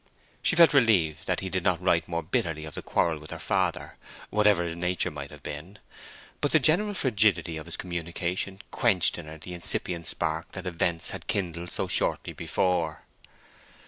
She felt relieved that he did not write more bitterly of the quarrel with her father, whatever its nature might have been; but the general frigidity of his communication quenched in her the incipient spark that events had kindled so shortly before.